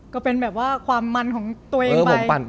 ก็เป็นแบบว่าความมันของตัวเองไป